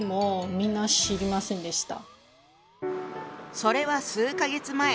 それは数か月前。